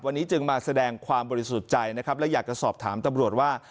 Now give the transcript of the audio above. วันนี้จึงมาแสดงความบริสุทธิ์ใจนะครับและอยากจะสอบถามตำรวจว่า